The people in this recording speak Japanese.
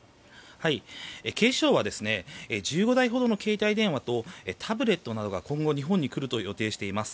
警視庁は１５台ほどの携帯電話とタブレットなどが今後日本に来ると予定しています。